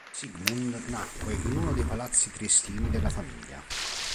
Sigmund nacque in uno dei palazzi triestini della famiglia.